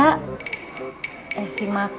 kalau buat kannonached iti ada insyaallah enggak